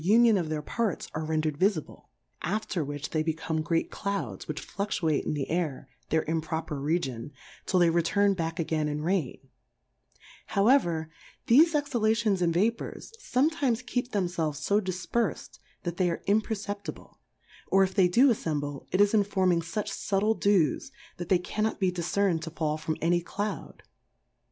7^ union of their Parts, are rendered vifi ble ; after which they become great Clouds, which fluftuate in the Air, their improper Region, till they re turn back again in Rain ; however thefe Exhalations and Vapours, fometimes keep themfelves fo difpersM, that they are imperceptible ^ or if they do aflem ble, it is informing fuch fubtile Dews that they cannot be difcern'd to fall from any Cloud.